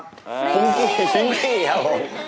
ฟริ้งกี้ครับผม